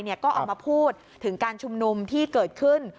ก็ออกมาพูดถึงการชุมนุมที่เกิดขึ้น